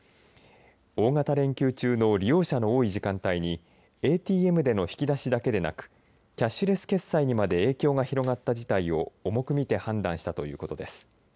大型連休中の利用者の多い時間帯にＡＴМでの引き出しだけでなくキャッシュレス決済にまで影響が広がった事態を重く見て判断したということです。